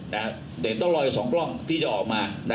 เดี๋ยวต้องรออีก๒กล้องในโต๊ะอาหาร